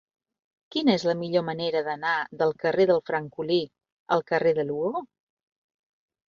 Quina és la millor manera d'anar del carrer del Francolí al carrer de Lugo?